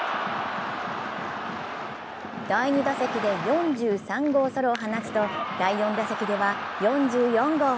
第２打席で４３号ソロを放つと第４打席では４４号。